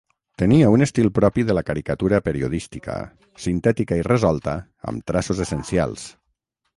Tenia un estil propi de la caricatura periodística, sintètica i resolta amb traços essencials.